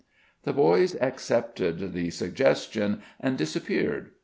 The boys accepted the suggestion and disappeared.